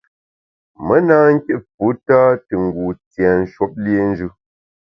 Me na kit fu tâ te ngu tienshwuop liénjù.